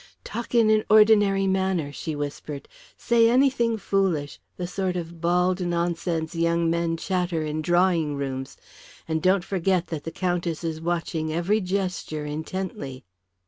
"Talk in an ordinary manner," she whispered; "say anything foolish the sort of bald nonsense young men chatter in drawing rooms. And don't forget that the Countess is watching every gesture intently."